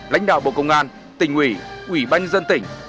lãnh đạo bộ công an tỉnh ủy ủy ban dân tỉnh